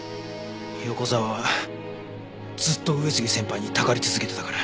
横沢はずっと上杉先輩にたかり続けてたから。